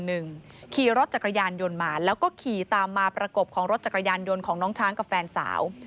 ขี่รถจักรยานยนต์มาแล้วก็ขี่ตามมาประกบของรถจักรยานยนต์ของน้องช้างกับแฟนสาว